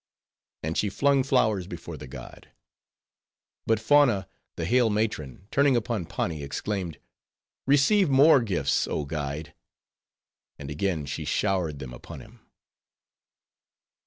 And she flung flowers before the god. But Fauna, the hale matron, turning upon Pani, exclaimed, "Receive more gifts, oh guide." And again she showered them upon him.